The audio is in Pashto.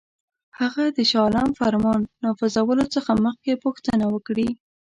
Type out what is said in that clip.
هغه د شاه عالم فرمان نافذولو څخه مخکي پوښتنه وکړي.